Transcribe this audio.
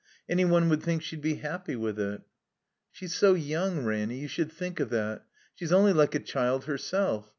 Any one would think she'd be happy with it." I "She's so young, Ranny. You should think of that. She's only like a child herself.